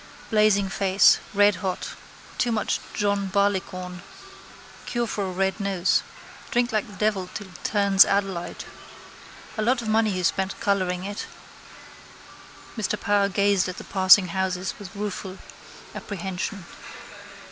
Blazing face: redhot. Too much John Barleycorn. Cure for a red nose. Drink like the devil till it turns adelite. A lot of money he spent colouring it. Mr Power gazed at the passing houses with rueful apprehension.